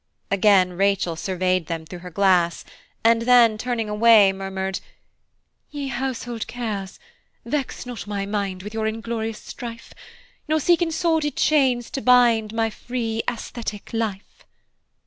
Again Rachel surveyed them through her glass, and then, turning away, murmured "Ye household cares, vex not my mind with your inglorious strife, Nor seek in sordid chains to bind My free aesthetic life."